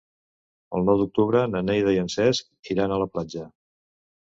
El nou d'octubre na Neida i en Cesc iran a la platja.